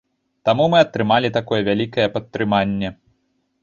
Таму мы атрымалі такое вялікае падтрыманне.